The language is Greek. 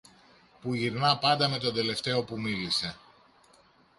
που γυρνά πάντα με τον τελευταίο που μίλησε